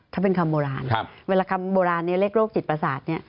ถ้าเป็นคำโบราณเวลาคำโบราณเรียกโรคจิตประสาท